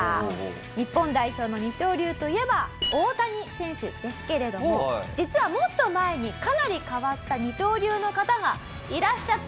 日本代表の二刀流といえば大谷選手ですけれども実はもっと前にかなり変わった二刀流の方がいらっしゃったんです。